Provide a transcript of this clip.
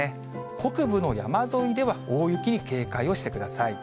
北部の山沿いでは大雪に警戒をしてください。